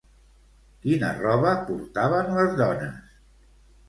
Quina roba portaven les dones?